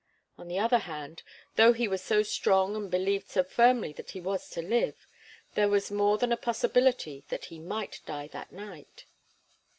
On the other hand, though he was so strong and believed so firmly that he was to live, there was more than a possibility that he might die that night.